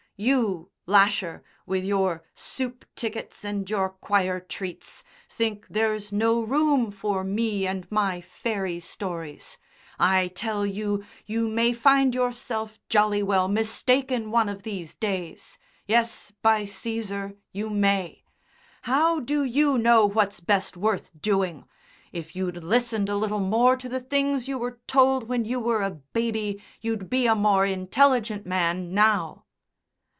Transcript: You, Lasher, with your soup tickets and your choir treats, think there's no room for me and my fairy stories. I tell you, you may find yourself jolly well mistaken one of these days. Yes, by Cæsar, you may. How do you know what's best worth doing? If you'd listened a little more to the things you were told when you were a baby, you'd be a more intelligent man now."